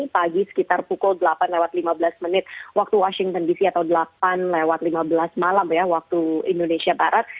pagi sekitar pukul delapan lewat lima belas menit waktu washington dc atau delapan lewat lima belas malam ya waktu indonesia barat